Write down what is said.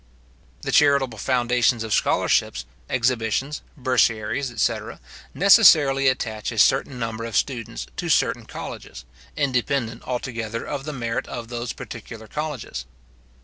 The charitable foundations of scholarships, exhibitions, bursaries, etc. necessarily attach a certain number of students to certain colleges, independent altogether of the merit of those particular colleges.